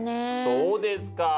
そうですか。